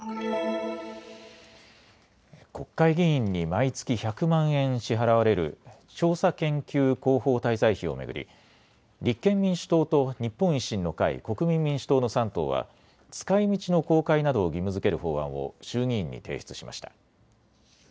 国会議員に毎月１００万円支払われる調査研究広報滞在費を巡り立憲民主党と日本維新の会、国民民主党の３党は使いみちの公開などを義務づける法案を衆議院に提出しました。